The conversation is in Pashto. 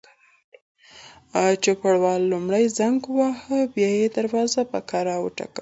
چوپړوال لومړی زنګ وواهه، بیا یې دروازه په کراره وټکوله.